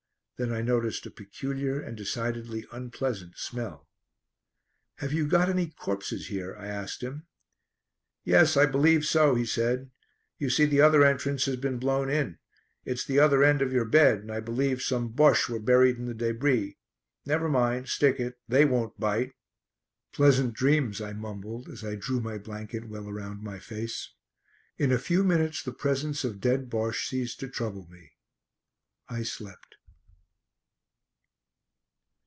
Then I noticed a peculiar and decidedly unpleasant smell. "Have you got any corpses here?" I asked him. "Yes, I believe so," he said. "You see the other entrance has been blown in. It's the other end of your bed, and I believe some Bosches were buried in the débris. Never mind, stick it; they won't bite." "Pleasant dreams," I mumbled as I drew my blanket well around my face; in a few minutes the presence of dead Bosche ceased to trouble me. I slept.